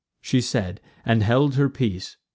She said, and held her peace.